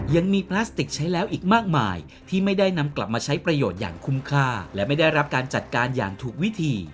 ยังมีพลาสติกใช้แล้วอีกมากมายที่ไม่ได้นำกลับมาใช้ประโยชน์อย่างคุ้มค่าและไม่ได้รับการจัดการอย่างถูกวิธี